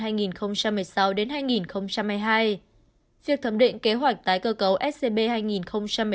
giai đoạn hai nghìn một mươi sáu hai nghìn hai mươi hai việc thẩm định kế hoạch tái cơ cấu scb hai nghìn một mươi năm hai nghìn một mươi chín